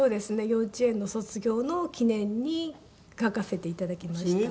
幼稚園の卒業の記念に描かせて頂きました。